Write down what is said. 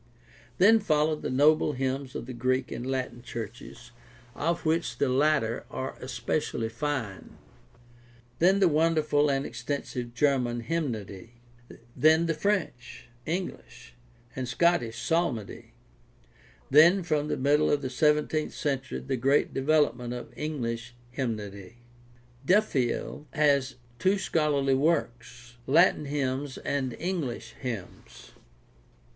Then followed the noble hymns of the Greek and Latin churches, of which the latter are especially fine; then the wonderful and extensive German hymnody; then the French, Enghsh, and Scottish psalmody; then from the middle of the seventeenth century the great development of 622 GUIDE TO STUDY OF CHRISTIAN RELIGION English hymnody. Duffield has two scholarly works, Latin Hymns and English Hymns.